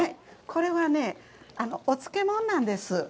これは、お漬物なんです。